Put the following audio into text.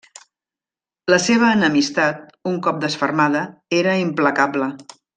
La seva enemistat, un cop desfermada, era implacable.